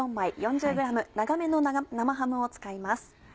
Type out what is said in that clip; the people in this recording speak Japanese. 長めの生ハムを使います。